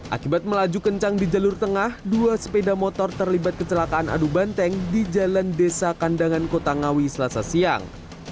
akibat melaju kencang di jalur tengah dua sepeda motor terlibat kecelakaan adu banteng di jalan desa kandangan kota ngawi selasa siang